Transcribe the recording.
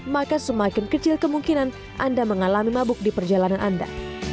maka semakin kecil kemungkinan anda mengalami mabuk di perjalanan anda